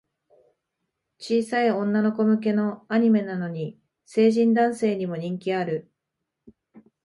小さい女の子向けのアニメなのに、成人男性にも人気ある